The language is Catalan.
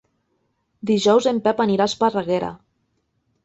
Dijous en Pep anirà a Esparreguera.